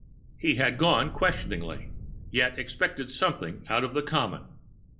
He had gone questioningly, yet expecting something out of the common.